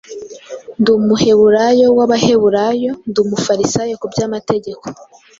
ndi Umuheburayo w’Abaheburayo, ndi Umufarisayo ku by’Amategeko;